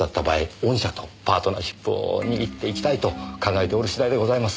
御社とパートナーシップを握っていきたいと考えておる次第でございます。